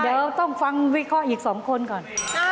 เดี๋ยวต้องฟังวิเคราะห์อีก๒คนก่อน